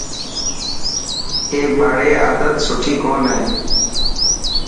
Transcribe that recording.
اي ٻاڙري عادت سٺي ڪون هي.